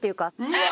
うわ！